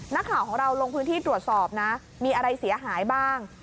นักข่าวของเราลงพื้นที่ตรวจสอบนะมีอะไรเสียหายบ้าง